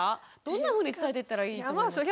どんなふうに伝えていったらいいと思いますか？